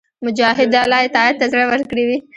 مجاهد د الله اطاعت ته زړه ورکړی وي.